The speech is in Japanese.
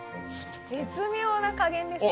絶妙な加減ですね。